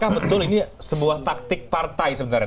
apakah betul ini sebuah taktik partai sebenarnya